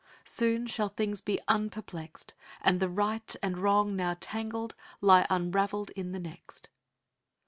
... Soon shall things be unperplexed And the right and wrong now tangled lie unraveled in the next."